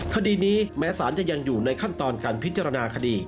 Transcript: คดีนี้แม้สารจะยังอยู่ในขั้นตอนการพิจารณาคดี